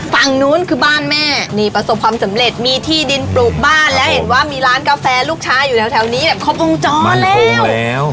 ฝั่งนู้นคือบ้านแม่นี่ประสบความสำเร็จมีที่ดินปลูกบ้านแล้วเห็นว่ามีร้านกาแฟลูกชายอยู่แถวนี้แบบครบวงจรแล้ว